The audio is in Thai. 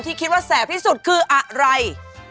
คิดว่าแสบที่สุดคืออะไร